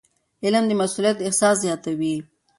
علم د مسؤلیت احساس زیاتوي.